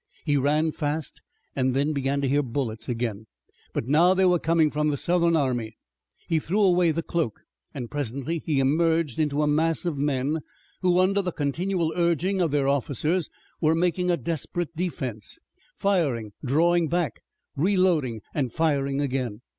He ran fast, and then began to hear bullets again. But now they were coming from the Southern army. He threw away the cloak and presently he emerged into a mass of men, who, under the continual urging of their officers, were making a desperate defense, firing, drawing back, reloading and firing again.